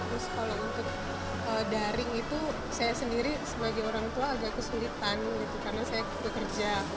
terus kalau untuk daring itu saya sendiri sebagai orang tua agak kesulitan gitu karena saya bekerja